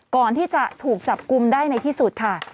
ก่อนที่จะถูกจับกลุ่มได้ในที่สุดค่ะ